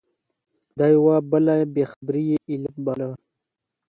له یوه بله بې خبري یې علت باله.